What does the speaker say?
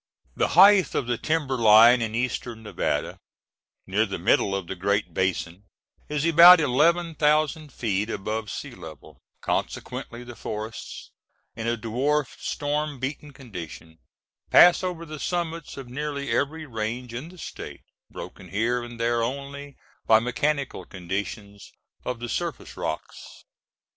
The height of the timberline in eastern Nevada, near the middle of the Great Basin, is about eleven thousand feet above sea level; consequently the forests, in a dwarfed, storm beaten condition, pass over the summits of nearly every range in the State, broken here and there only by mechanical conditions of the surface rocks.